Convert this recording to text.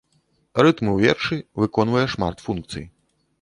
Рытм у вершы выконвае шмат функцый.